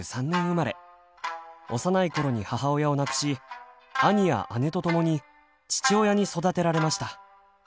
幼いころに母親を亡くし兄や姉とともに父親に育てられました。